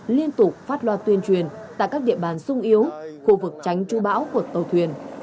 liên tục phát loa tuyên truyền tại các địa bàn sung yếu khu vực tránh chú bão của tàu thuyền